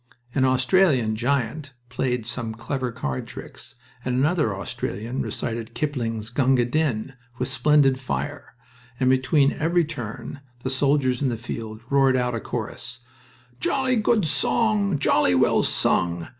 An Australian giant played some clever card tricks, and another Australian recited Kipling's "Gunga Din" with splendid fire. And between every "turn" the soldiers in the field roared out a chorus: "Jolly good song, Jolly well sung.